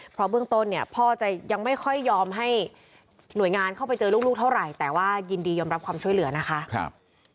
เพราะเบื้องต้นเนี่ยพ่อจะยังไม่ค่อยยอมให้หน่วยงานเข้าไปเจอลูกเท่าไหร่แต่ว่ายินดียอมรับความช่วยเหลือนะคะ